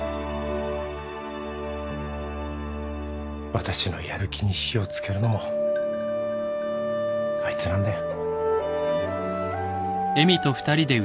私のやる気に火を付けるのもあいつなんだよ。